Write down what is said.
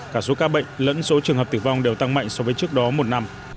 cả số ca bệnh lẫn số trường hợp tử vong đều tăng mạnh so với trước đó một năm